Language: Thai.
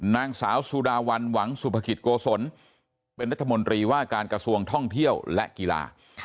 นางสาวสุดาวันหวังสุภกิจโกศลเป็นรัฐมนตรีว่าการกระทรวงท่องเที่ยวและกีฬา